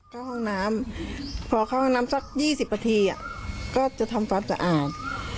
เข้าห้องน้ำพอเข้าห้องน้ำสัก๒๐นาทีก็จะทำความสะอาด